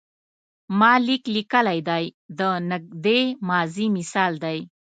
ما لیک لیکلی دی د نږدې ماضي مثال دی.